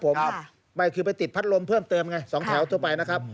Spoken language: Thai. ผมไม่คือไปติดพัดลมเพิ่มเติมไง๒แถวทั่วไปนะครับ